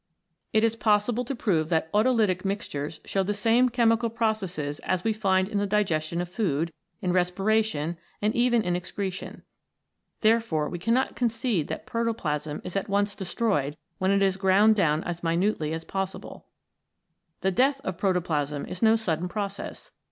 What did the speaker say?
It is possible to prove that autolytic mixtures show the same chemical processes as we find in the digestion of food, in respiration and even in excretion. There fore we cannot concede that protoplasm is at once destroyed when it is ground down as minutely as possible. The death of protoplasm is no sudden process.